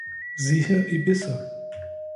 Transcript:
Siehe Ibisse.